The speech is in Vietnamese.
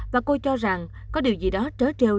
và cô cho rằng có điều gì đó trớ treo